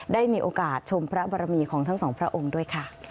ได้มีโอกาสชมพระบรมีของทั้งสองพระองค์ด้วยค่ะ